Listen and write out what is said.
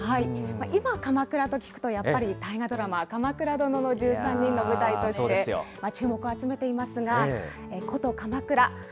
今、鎌倉と聞くと、やっぱり大河ドラマ、鎌倉殿の１３人の舞台として注目を集めていますが、古都、鎌倉。